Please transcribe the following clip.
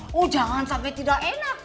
oh jangan sampai tidak enak